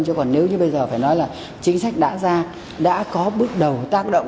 chứ còn nếu như bây giờ phải nói là chính sách đã ra đã có bước đầu tác động